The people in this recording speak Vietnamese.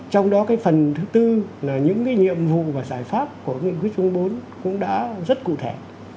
trong đó cái phần thứ tư là những cái nhiệm vụ và giải pháp của nghị quyết trung bốn cũng đã rất cụ thể